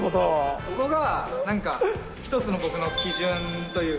そこがなんか、一つの僕の基準というか。